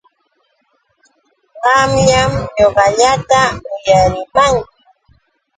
Qamllam ñuqallata uyarimanki.